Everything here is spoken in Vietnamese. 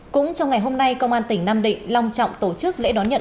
cũng trong ngày hôm nay công an tỉnh nam định long trọng tổ chức lễ đón nhận